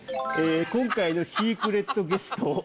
今回のシークレットゲスト。